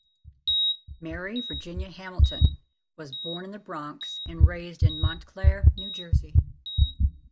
Mary Virginia Hamilton was born in the Bronx and raised in Montclair, New Jersey.